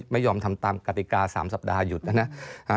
ไม่ยอมทำตามกติกา๓สัปดาห์หยุดนะครับ